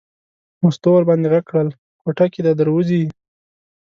مستو ور باندې غږ کړل کوټه کې دی در وځي.